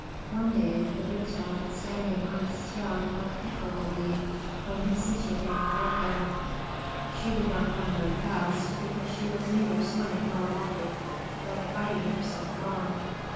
One day the biggest one was standing on a stem of pickerel weed, when his sister came toward him. She did not come very fast, because she was neither swimming nor walking, but biting herself along.